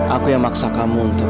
aku yang maksa kamu untuk